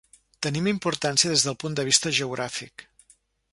Tenen importància des del punt de vista geogràfic.